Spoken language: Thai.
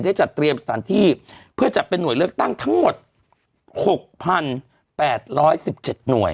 ได้จัดเตรียมสถานที่เพื่อจะเป็นหน่วยเลือกตั้งทั้งหมดหกพันแปดร้อยสิบเจ็ดหน่วย